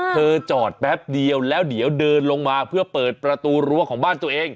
จอดแป๊บเดียวแล้วเดี๋ยวเดินลงมาเพื่อเปิดประตูรั้วของบ้านตัวเอง